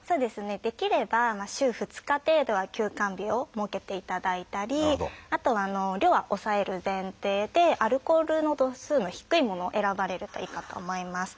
できれば週２日程度は休肝日を設けていただいたりあと量は抑える前提でアルコールの度数の低いものを選ばれるといいかと思います。